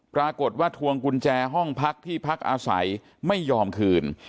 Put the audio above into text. ปรากฏว่าทวงกุญแจห้องพักที่พักอาศัยไม่ยอมคืน